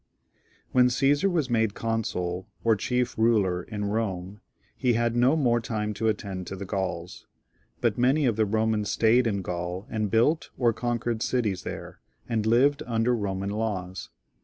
When Caesar was made Consul, or chief ruler in Eome, he had no more time to attend to the Gauls ; but many of the Eomans stayed in Gaul, and built or conquered cities there, and lived under Eoman laws.